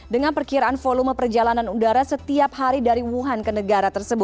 dengan perkiraan volume perjalanan udara setiap hari dari wuhan ke negara tersebut